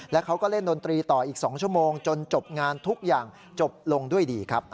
แล้วเขาก็เล่นดนตรีต่ออีก๒ชั่วโมงจนจบงานทุกอย่างจบลงด้วยดีครับ